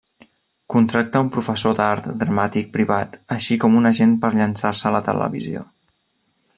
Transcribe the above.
Contracta un professor d'art dramàtic privat així com un agent per llançar-se a la televisió.